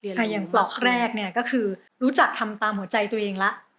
อย่างปลอกแรกเนี่ยก็คือรู้จักทำตามหัวใจตัวเองละ